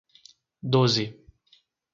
Doze